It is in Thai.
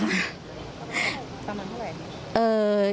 ประมาณเท่าไหร่